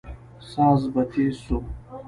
ساز به تېز سو.